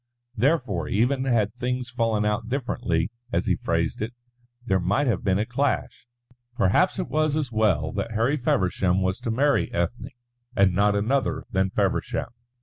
Therefore, even had things fallen out differently, as he phrased it, there might have been a clash. Perhaps it was as well that Harry Feversham was to marry Ethne and not another than Feversham.